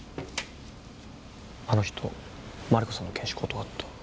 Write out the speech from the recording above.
あの人マリコさんの検視断った。